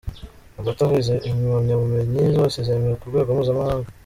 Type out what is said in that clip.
Hagati aho izi impamyabumenyi zose zemewe ku rwego mpuzamahanga.